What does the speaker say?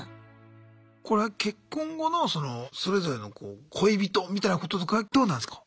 これは結婚後のそれぞれの恋人みたいなこととかはどうなんすか？